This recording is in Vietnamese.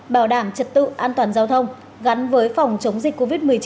bảo đảm trật tự an toàn giao thông gắn với phòng chống dịch covid một mươi chín